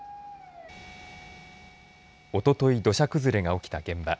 おととい土砂崩れが起きた現場。